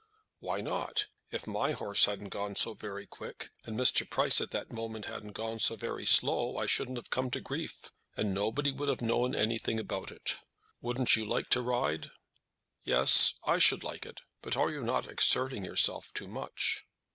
"Why not? If my horse hadn't gone so very quick, and Mr. Price at that moment hadn't gone so very slow, I shouldn't have come to grief, and nobody would have known anything about it. Wouldn't you like to ride?" "Yes; I should like it. But are not you exerting yourself too much?"